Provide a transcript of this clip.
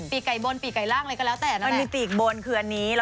ปีกไก่บนปีกไก่ร่างอะไรก็แล้วแต่นั่นแหละ